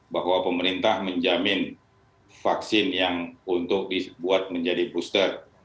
bahwa pemerintah menjamin vaksin yang untuk dibuat menjadi booster